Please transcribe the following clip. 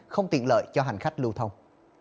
không tiện lợi cho hành khách lưu thông